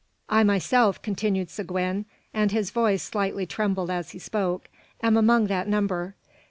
"I myself," continued Seguin, and his voice slightly trembled as he spoke, "am among that number.